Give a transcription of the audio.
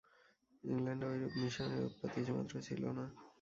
ইংলণ্ডে ঐরূপ মিশনরী-উৎপাত কিছুমাত্র ছিল না।